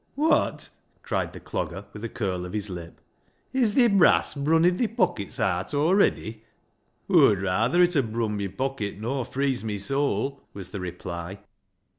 Wot !" cried the Clogger, with a curl of his lip, " is thi brass brunnin' thi pockets aat awready ?"" Aw'd rayther it ud brun my pocket nor freeze my soul," was the reply.